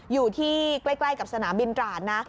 อยู่ที่ใกล้กับสนามบินตราดนะ